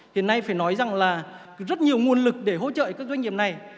hiện nay phải nói rằng là rất nhiều nguồn lực để hỗ trợ các doanh nghiệp này